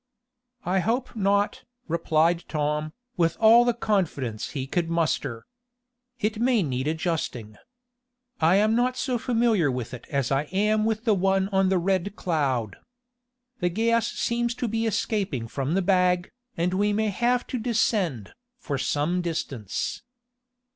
"I hope not," replied Tom, with all the confidence he could muster. "It may need adjusting. I am not so familiar with it as I am with the one on the RED CLOUD. The gas seems to be escaping from the bag, and we may have to descend, for some distance."